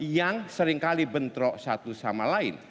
yang seringkali bentrok satu sama lain